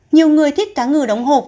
nhiều người thích cá ngừ đóng hộp